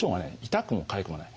痛くもかゆくもない。